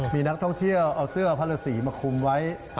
มีนักท่องเที่ยวเอาเสื้อพระฤษีมาคุมไว้